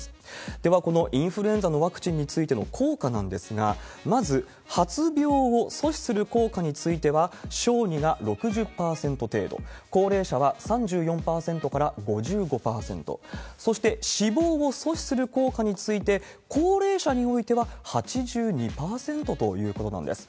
では、このインフルエンザのワクチンについての効果なんですが、まず発病を阻止する効果については、小児が６０％程度、高齢者は３４％から５５％、そして死亡を阻止する効果について、高齢者においては８２％ということなんです。